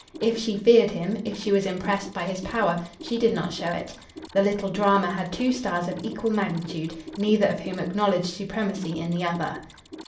If she feared him, if she was impressed by his power, she did not show it. The little drama had two stars of equal magnitude, neither of whom acknowledged supremacy in the other.